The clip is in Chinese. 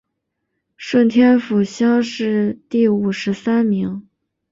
顺天府乡试第五十三名。